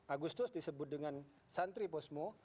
agustus disebut dengan santri posmo